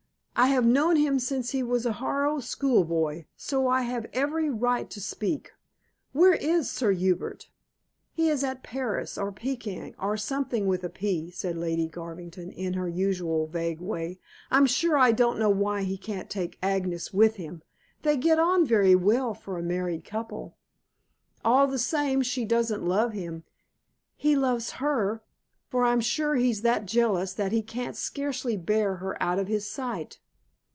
I have known him since he was a Harrow schoolboy, so I have every right to speak. Where is Sir Hubert?" "He is at Paris or Pekin, or something with a 'P,'" said Lady Garvington in her usual vague way. "I'm sure I don't know why he can't take Agnes with him. They get on very well for a married couple." "All the same she doesn't love him." "He loves her, for I'm sure he's that jealous that he can't scarcely bear her out of his sight."